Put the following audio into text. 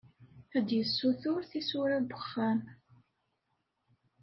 Ad d-yessutur tisura n wexxam.